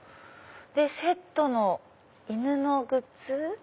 セットの犬のグッズ？